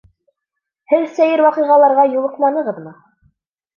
Һеҙ сәйер ваҡиғаларға юлыҡманығыҙмы?